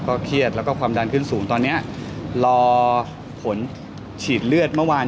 เครียดแล้วก็ความดันขึ้นสูงตอนนี้รอผลฉีดเลือดเมื่อวาน